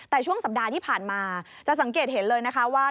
แต่ช่วงสัปดาห์ที่ผ่านมาจะสังเกตเห็นเลยนะคะว่า